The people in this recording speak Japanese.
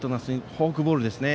フォークボールですね。